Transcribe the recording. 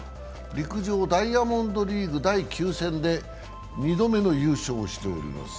陸上ダイヤモンドリーグ第９戦で２度目の優勝をしております。